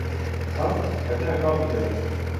Ka qedehek av bide min.